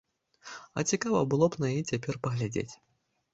А цікава было б на яе цяпер паглядзець.